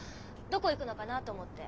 どこ行くのかなあと思って。